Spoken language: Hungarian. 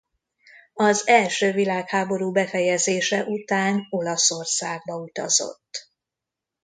Az első világháború befejezése után Olaszországba utazott.